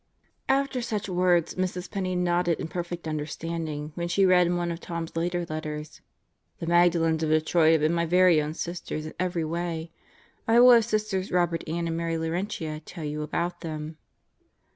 After such words, Mrs. Penney nodded in perfect understanding when she read in one of Tom's later letters: "The Magdalens of Detroit have been my very own sisters in every way. I will have Sisters Robert Ann and Mary Laurentia tell you about them."